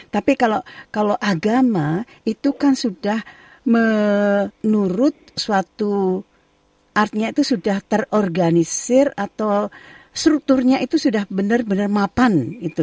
tapi kalau agama itu kan sudah menurut suatu artinya itu sudah terorganisir atau strukturnya itu sudah benar benar mapan